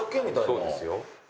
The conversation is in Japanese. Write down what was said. そうですよ。